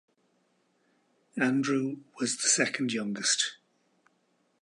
Andrew was the second youngest.